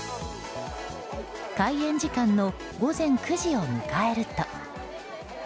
開園時間の、午前９時を迎えると。